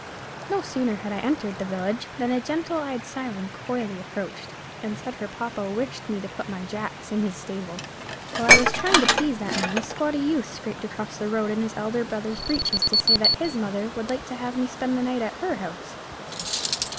No sooner had I entered the village, than a gentle eyed siren coyly approached, and said her papa wished me to put my jacks in his stable. While I was trying to please that man, a squatty youth scraped across the road in his elder brother's breeches to say that his mother would like to have me spend the night at her house.